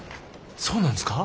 そうなんですか？